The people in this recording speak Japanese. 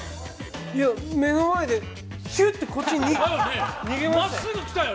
目の前でヒュッとこっちに逃げましたよ。